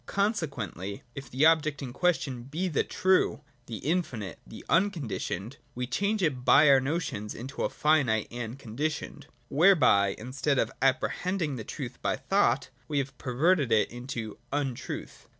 Consequently, if the object in question be the True, the Infinite, the Unconditioned, we change 122 THIRD ATTITVPE TO OBJECTIVITY. [6.'. it b}^ our notions into a finite and conditioned ; whereby, instead of apprehending the truth by thought, we have per\'erted it into untruth.